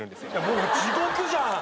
もう地獄じゃん！